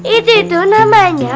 itu itu namanya